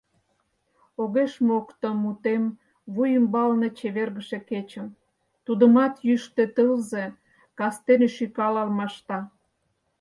Огеш мокто мутем вуй ӱмбалне чевергыше кечым, Тудымат йӱштӧ тылзе кастене шӱкал алмашта.